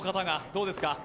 どうですか？